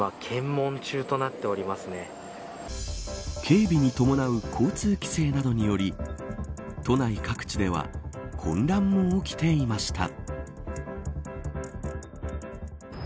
警備に伴う交通規制などにより都内各地では混乱も起きていました。